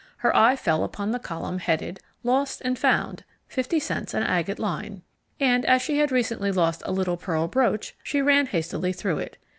Her eye fell upon the column headed LOST AND FOUND Fifty cents an agate line and as she had recently lost a little pearl brooch, she ran hastily through it.